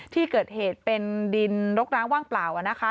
ที่เกิดเหตุเป็นดินรกร้างว่างเปล่านะคะ